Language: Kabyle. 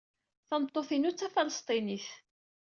Tameṭṭut-inu d Tafalesṭinit.